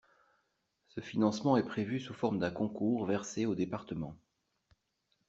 Ce financement est prévu sous forme d’un concours versé aux départements.